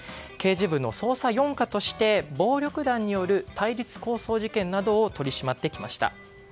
刑事部の捜査４課として暴力団による対立抗争事件などを取り締まってきました。